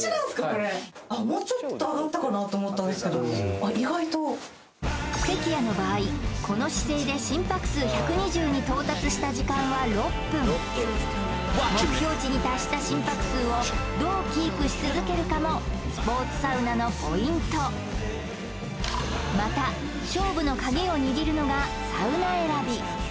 これもうちょっと上がったかなと思ったんですけど意外と関谷の場合この姿勢で心拍数１２０に到達した時間は６分目標値に達した心拍数をどうキープし続けるかもスポーツサウナのポイントまた勝負の鍵を握るのがサウナ選び